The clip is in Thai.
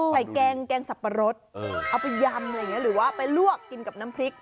ไปแกงแกงสับปะรสเอาไปยำหรือว่าไปลวกกินกับน้ำพริก